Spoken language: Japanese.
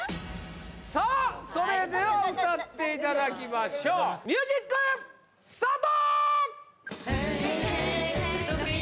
さあそれでは歌っていただきましょうミュージックスタート！